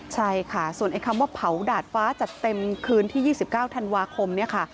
ใช่ค่ะส่วนไอ้คำว่าเผาดาดฟ้าจัดเต็มคืนที่๒๙ธันวาคมเนี่ยค่ะ